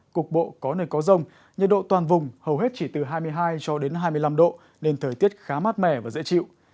cục bộ có nơi có rông nhiệt độ toàn vùng hầu hết chỉ từ hai mươi hai cho đến hai mươi năm độ nên thời tiết khá mát mẻ và dễ chịu